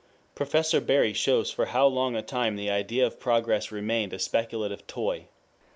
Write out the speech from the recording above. Professor Bury shows for how long a time the idea of progress remained a speculative toy.